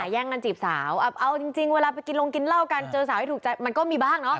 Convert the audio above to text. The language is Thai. แย่งกันจีบสาวเอาจริงเวลาไปกินลงกินเหล้ากันเจอสาวให้ถูกใจมันก็มีบ้างเนาะ